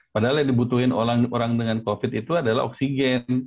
padahal yang dibutuhin orang dengan covid itu adalah oksigen